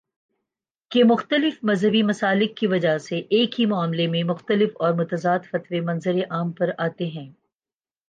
کہ مختلف مذہبی مسالک کی وجہ سے ایک ہی معاملے میں مختلف اور متضاد فتوے منظرِ عام پر آتے ہیں